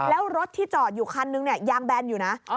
แล้วรถที่จอดอยู่คันนึงเนี่ยยางแบนอยู่นะ